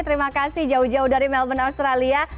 terima kasih jauh jauh dari melbourne australia